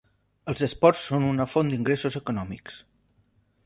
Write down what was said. Els esports són una font d'ingressos econòmics.